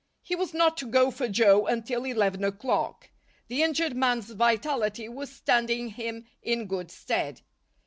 He was not to go for Joe until eleven o'clock. The injured man's vitality was standing him in good stead.